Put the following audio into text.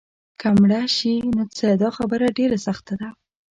که مړه شي نو څه؟ دا خبره ډېره سخته ده.